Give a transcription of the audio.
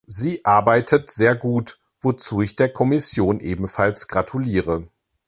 Sie arbeitet sehr gut, wozu ich der Kommission ebenfalls gratuliere.